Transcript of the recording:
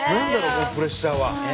このプレッシャーは。